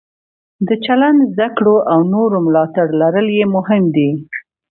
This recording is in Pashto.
د چلند زده کړه او د نورو ملاتړ لرل یې مهم دي.